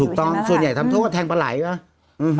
ถูกต้องส่วนใหญ่ทำโทษก็แทงปาไหล่ก็